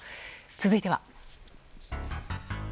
続いては。